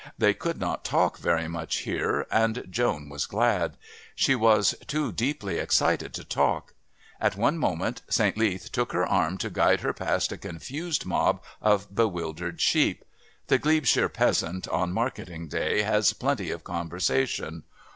They could not talk very much here, and Joan was glad. She was too deeply excited to talk. At one moment St. Leath took her arm to guide her past a confused mob of bewildered sheep. The Glebeshire peasant on marketing day has plenty of conversation.